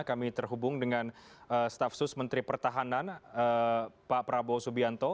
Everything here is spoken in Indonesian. kami terhubung dengan staf sus menteri pertahanan pak prabowo subianto